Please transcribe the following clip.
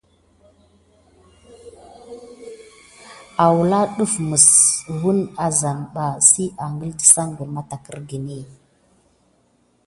Engla awɓəɗɗ bə kan def mis mograko adefho nigakite suko awula nis.